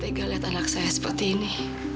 saya nggak tega lihat anak saya seperti ini